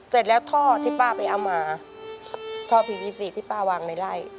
เสร็จแล้วท่อที่ป้าไปเอามาท่อพีวีสี่ที่ป้าวางในไล่